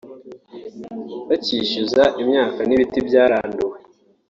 bakishyuza imyaka n’ibiti byaranduwe